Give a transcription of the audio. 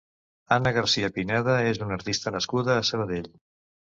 Anna Garcia-Pineda és una artista nascuda a Sabadell.